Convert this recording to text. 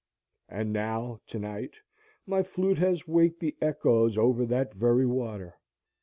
And now to night my flute has waked the echoes over that very water.